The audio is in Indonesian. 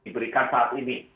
diberikan saat ini